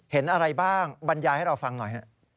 เห็นอะไรบ้างบรรยายให้เราฟังหน่อยฮะ